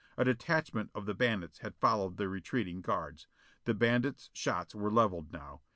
A detachment of the bandits had followed the retreating guards. The bandits' shots were levelled now.